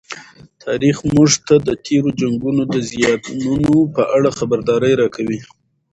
تاریخ موږ ته د تېرو جنګونو د زیانونو په اړه خبرداری راکوي.